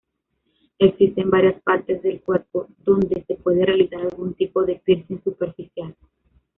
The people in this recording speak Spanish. Existen varias partes del cuerpo donde se puede realizar algún tipo de piercing superficial.